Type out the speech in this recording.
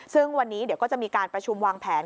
ซึ่งวันนี้เดี๋ยวก็จะมีการประชุมวางแผน